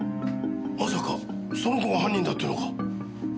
まさかその子が犯人だって言うのか？